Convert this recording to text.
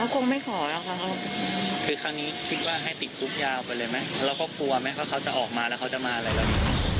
เขาจะออกมาแล้วเขาจะมาอะไรแล้วดี